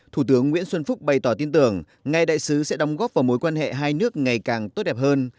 thủ tướng nguyễn xuân phúc bày tỏ tin tưởng ngài đại sứ sẽ đóng góp vào mối quan hệ hai nước ngày càng tốt đẹp hơn